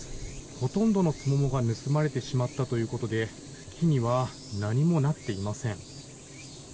ほとんどのスモモが盗まれてしまったということで木には何もなっていません。